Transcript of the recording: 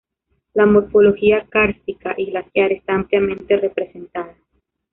La morfología kárstica y glaciar está ampliamente representada.